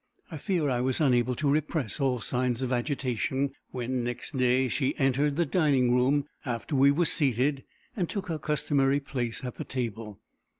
I fear I was unable to repress all signs of agitation when, next day, she entered the dining room, after we were seated, and took her customary place at the table.